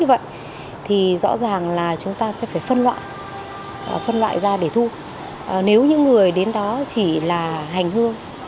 và hành hương